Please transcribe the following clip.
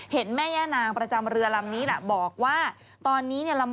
แม่ย่านางประจำเรือลำนี้ล่ะบอกว่าตอนนี้เนี่ยลำ